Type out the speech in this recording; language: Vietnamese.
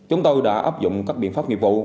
chúng tôi đã áp dụng các biện pháp nghiệp vụ